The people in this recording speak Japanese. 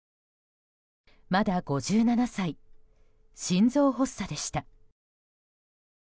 まだ５７歳、心臓発作でした。